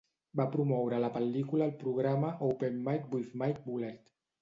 Va promoure la pel·lícula al programa "Open Mike with Mike Bullard".